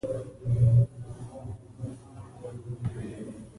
ده ورلسټ ته یو متل ور په زړه کړ.